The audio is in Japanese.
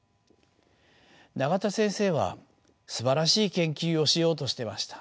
永田先生はすばらしい研究をしようとしてました。